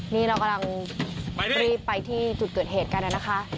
นี้เรากำลังไปที่จุดเกิดเหตุการณ์ค่ะ